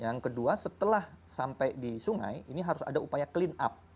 yang kedua setelah sampai di sungai ini harus ada upaya clean up